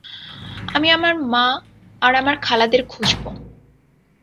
আমি আমার মা আর আমার খালা দের খুজব।